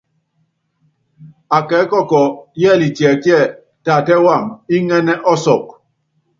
Akɛkɔkɔ, yɛ́litiɛkíe, tatɛ́ wam, iŋɛ́nɛ́ ɔsɔkɔ.